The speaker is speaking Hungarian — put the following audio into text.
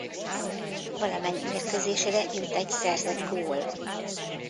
Valamennyi mérkőzésére jut egy szerzett gól.